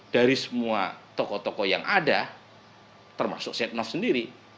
dari semua tokoh tokoh yang ada termasuk setnov sendiri